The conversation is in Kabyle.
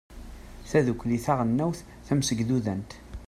tadukli taɣelnawt tamsegdudant